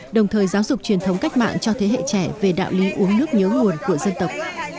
đồng thời giáo dục truyền thống cách mạng cho thế hệ trẻ về đạo lý uống nước nhớ nguồn của dân tộc